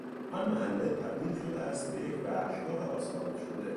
آن محله تبدیل شده است به یک وحشگاه آسفالت شده!